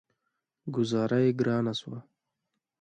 ګوذاره يې ګرانه شوه.